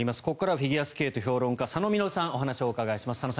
ここからはフィギュアスケート評論家佐野稔さんにお話をお伺いします。